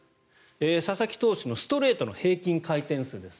佐々木投手のストレートの平均回転数です。